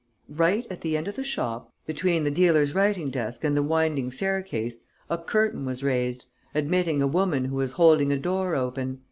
Right at the end of the shop, between the dealer's writing desk and the winding staircase, a curtain was raised, admitting a woman who was holding a door open.